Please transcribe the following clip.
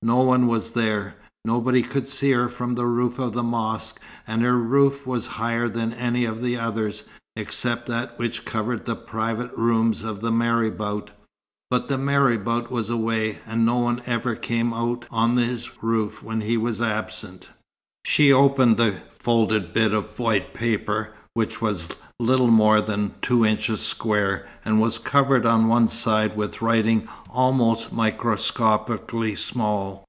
No one was there. Nobody could see her from the roof of the mosque, and her roof was higher than any of the others, except that which covered the private rooms of the marabout. But the marabout was away, and no one ever came out on his roof when he was absent. She opened the folded bit of white paper, which was little more than two inches square, and was covered on one side with writing almost microscopically small.